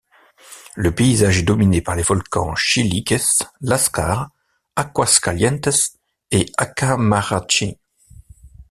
Le paysage est dominé par les volcans Chiliques, Láscar, Aguas Calientes et Acamarachi.